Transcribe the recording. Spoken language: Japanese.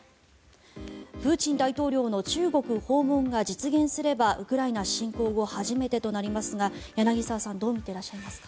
プーチン大統領の中国訪問が実現すればウクライナ侵攻後初めてとなりますが柳澤さんどう見ていらっしゃいますか。